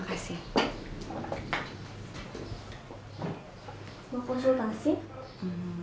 agar dia ngipah